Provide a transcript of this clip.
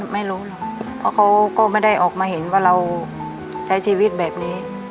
ไม่รู้หรอกเพราะเขาก็ไม่ได้ออกมาเห็นว่าเราใช้ชีวิตแบบนี้